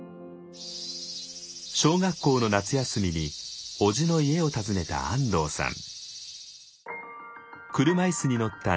小学校の夏休みにおじの家を訪ねた安藤さん。